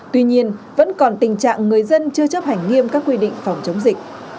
tuy nhiên vẫn còn tình trạng người dân chưa chấp hành nghiêm các quy định phòng chống dịch